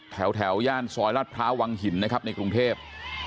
แถวย่านซอยรัฐพร้าววังหินนะครับในกรุงเทพ